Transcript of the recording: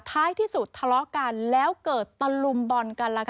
ท้ายที่สุดทะเลาะกันแล้วเกิดตะลุมบอลกันล่ะค่ะ